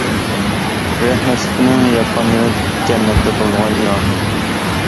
رەھمەتلىكنىڭ ياتقان يېرى جەننەتتە بولغاي، ئىلاھىم!